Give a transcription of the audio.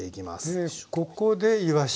でここでいわし。